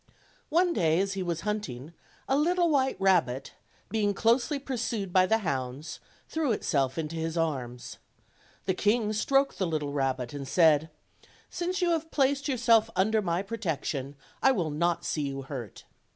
One day as he was hunt 320 OLD, OLD FATRT TALES. ing, a little white rabbit, being closely pursued by tbe hounds, threw itself into his arms. The king stroked the little rabbit and said: "Since you have placed your self under my protection I will not see you hurt."